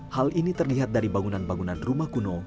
hal ini terlihat dari bangunan bangunan rumah kuno